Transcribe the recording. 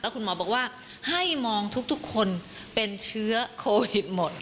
คุณหมอบอกว่าให้มองทุกคนเป็นเชื้อโควิดหมด